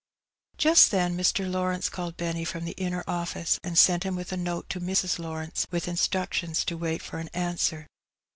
Just then Mr. Lawrence called Benny from the inner office, and sent him with a note to Mrs. Lawrence, with in structions to wait for an answer.